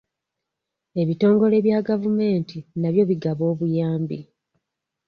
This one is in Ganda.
Ebitongole bya gavumenti nabyo bigaba obuyambi.